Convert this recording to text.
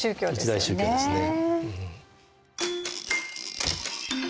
一大宗教ですね。